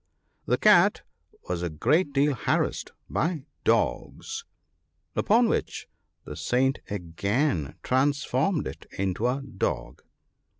The cat was a great deal harassed by dogs, upon which the Saint again trans formed it into a dog.